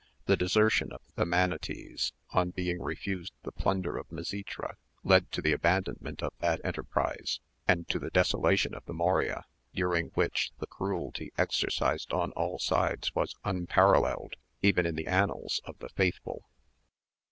The desertion of the Mainotes, on being refused the plunder of Misitra, led to the abandonment of that enterprise, and to the desolation of the Morea, during which the cruelty exercised on all sides was unparalleled even in the annals of the faithful.